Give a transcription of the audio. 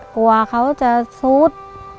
กลัวเขาจะซุด